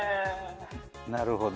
なるほど。